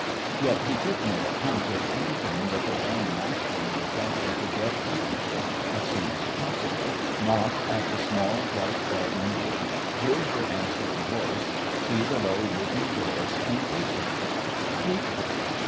Yet he took no count of anything but the one mastering desire to get to her as soon as possible, knock at the small, white garden gate, hear her answering voice, see the low wooden door swing open take her.